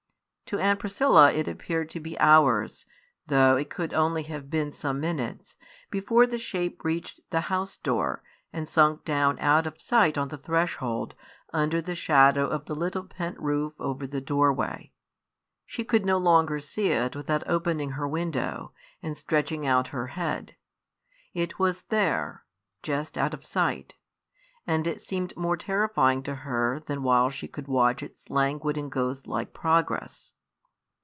To Aunt Priscilla it appeared to be hours, though it could only have been some minutes, before the shape reached the house door, and sunk down out of sight on the threshold, under the shadow of the little pent roof over the doorway. She could no longer see it without opening her window and stretching out her head. It was there, just out of sight; and it seemed more terrifying to her than while she could watch its languid and ghostlike progress.